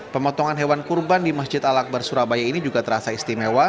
pemotongan hewan kurban di masjid al akbar surabaya ini juga terasa istimewa